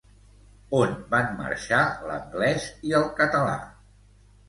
On van marxar l'anglès i el català?